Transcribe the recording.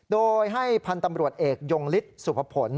โดยให้พันธ์ตำรวจเอกยงฤทธิ์สุภพล